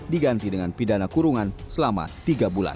diganti dengan pidana kurungan selama tiga bulan